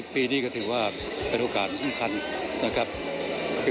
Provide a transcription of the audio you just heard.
๖๓๐ปีนี่ก็ถือว่าเป็นโอกาสสำคัญ